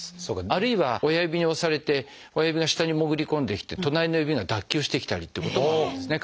あるいは親指に押されて親指の下に潜り込んできて隣の指が脱臼してきたりってこともあるんですね